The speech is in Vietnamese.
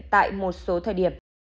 tại một số thời điểm